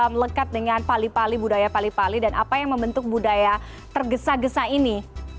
melekat dengan pali pali budaya pali pali dan apa yang membentuk budaya tergesa gesa ini